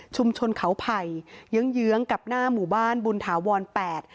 ชนเขาไผ่เยื้องเยื้องกับหน้าหมู่บ้านบุญถาวรแปด